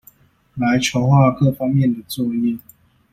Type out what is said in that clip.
來籌畫各方面的作業